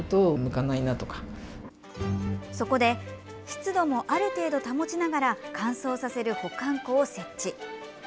そこで、湿度もある程度保ちながら乾燥させる保管庫を設置。